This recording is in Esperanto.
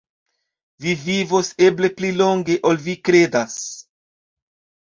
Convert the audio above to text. Vi vivos eble pli longe, ol vi kredas.